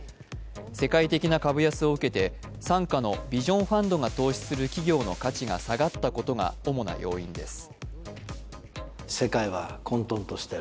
世界的な株安を受けて傘下のビジョンファンドが投資する企業の価値が下がったことが主な要因です。